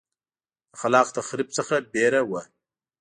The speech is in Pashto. د خلاق تخریب څخه وېره وه.